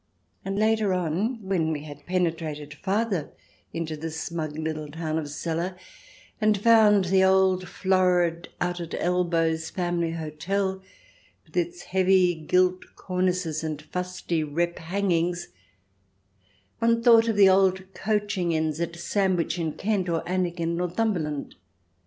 And later on, when we had penetrated farther into the smug little town of Celle and found the old, florid, out at elbows family hotel, with its heavy gilt cornices and fusty rep hangings, one thought of the old coaching inns at Sandwich in Kent or Alnwick in Northumberland.